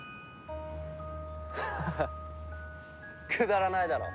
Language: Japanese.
ハハッくだらないだろ？